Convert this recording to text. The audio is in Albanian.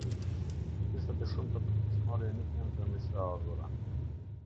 Kërkesat e shumta për pjesëmarrje nuk janë të mirëseardhura.